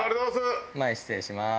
前失礼します。